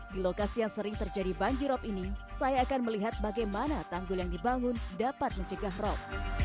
di lokasi yang sering terjadi banjirop ini saya akan melihat bagaimana tanggul yang dibangun dapat mencegah rop